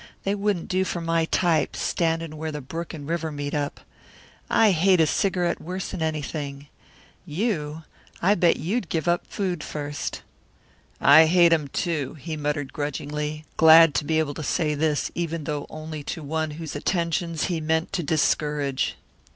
They wouldn't do for my type, standin' where the brook and river meet up. I hate a cigarette worse'n anything. You I bet you'd give up food first." "I hate 'em, too," he muttered grudgingly, glad to be able to say this, even though only to one whose attentions he meant to discourage.